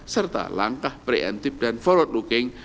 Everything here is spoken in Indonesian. serta langkah preventif dan forward looking